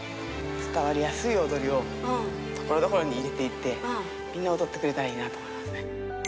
伝わりやすい踊りをところどころに入れていって、みんな踊ってくれたらいいなと思いますね。